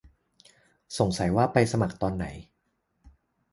สงสัยว่าไปสมัครตอนไหน